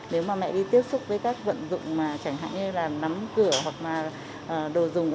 nếu mà mẹ đi tiếp xúc với các vận dụng chẳng hạn như là nắm cửa hoặc đồ dùng